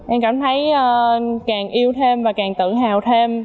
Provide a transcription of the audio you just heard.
em cảm thấy càng yêu thêm và càng tự hào thêm